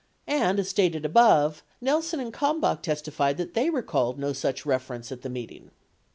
97 And, as stated above, Nelson and Kalmbach testified that they recalled no such reference at the meeting.